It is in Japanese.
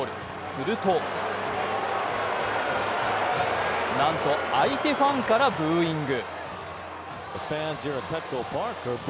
するとなんと相手ファンからブーイング。